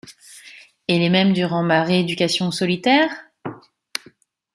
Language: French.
Et les mêmes durant ma rééducation solitaire ?